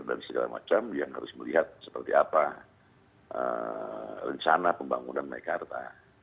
dan segala macam yang harus melihat seperti apa rencana pembangunan mekarta